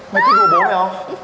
mày thích đùa bố mày không